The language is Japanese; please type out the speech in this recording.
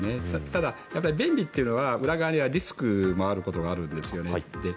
ただ、便利というのは裏側にはリスクがあることもあるんですよね。